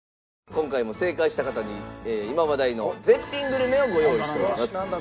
今回も正解した方に今話題の絶品グルメをご用意しております。